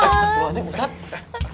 perlu aja pak ustadz